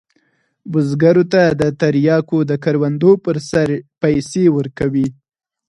بزګرو ته د تریاکو د کروندو پر سر پیسې ورکوي.